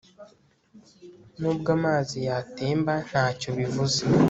Nubwo amazi yatemba ntacyo bivuze